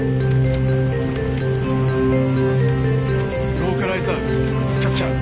ローカライザーキャプチャー。